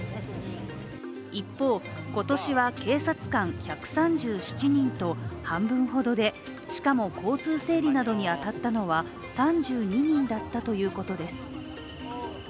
一方、今年は警察官１３７人と半分ほどでしかも交通整理などに当たったのは３２人だったということです。